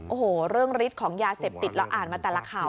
โอ้โหเรื่องฤทธิ์ของยาเสพติดเราอ่านมาแต่ละข่าว